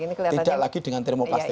tidak lagi dengan termoplastik lagi